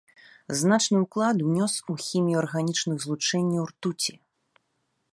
Значны ўклад унёс у хімію арганічных злучэнняў ртуці.